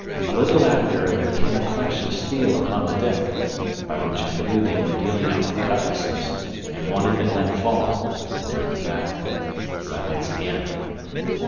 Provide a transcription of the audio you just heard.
A little after, and there came a clash of steel upon the deck, by which I knew they were dealing out the cutlasses and one had been let fall; and after that, silence again.